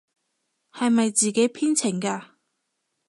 係咪自己編程嘅？